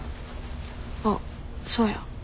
あっそうや。